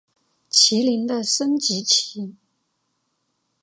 麒麟的升级棋。